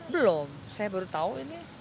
belum saya baru tahu ini